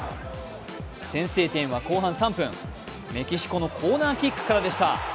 先制点は後半３分メキシコのコーナーキックからでした。